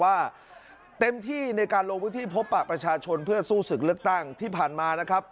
ว่าเต็มที่ในการลงพื้นที่พบปะประชาชนเพื่อสู้ศึกเลือกตั้งที่ผ่านมานะครับ